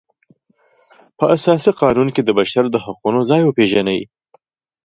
په اساسي قانون کې د بشر د حقونو ځای وپیژني.